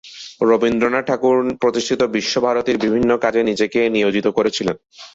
রবীন্দ্রনাথ ঠাকুর প্রতিষ্ঠিত বিশ্বভারতীর বিভিন্ন কাজে নিজেকে নিয়োজিত করেছিলেন।